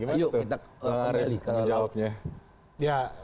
ayo kita pindah ke laut indonesia